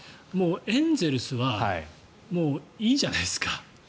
エンゼルスはいいんじゃないですか？